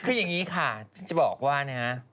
คือยังงี้ค่ะฉันจะบอกว่านะฮะ